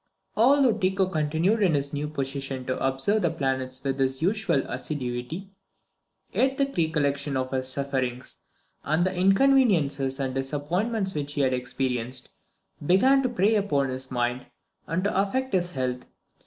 _ Although Tycho continued in this new position to observe the planets with his usual assiduity, yet the recollection of his sufferings, and the inconveniences and disappointments which he had experienced, began to prey upon his mind, and to affect his health.